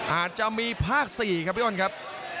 อาจจะมีภาค๔ครับพี่อ้นครับ